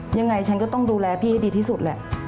ยังไงฉันก็ต้องดูแลพี่ให้ดีที่สุดแหละ